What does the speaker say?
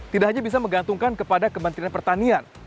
tidak hanya bisa menggantungkan kepada kementerian pertanian